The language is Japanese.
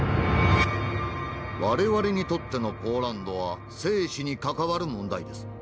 「我々にとってのポーランドは生死に関わる問題です。